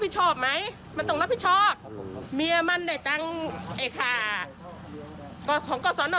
ใช่มันไม่ใช่ที่มันให้ข่าวมา